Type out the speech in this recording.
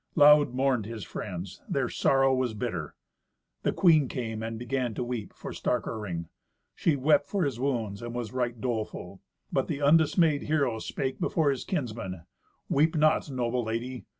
Loud mourned his friends; their sorrow was bitter. The queen came, and began to weep for stark Iring. She wept for his wounds, and was right doleful. But the undismayed hero spake before his kinsmen, "Weep not, noble lady.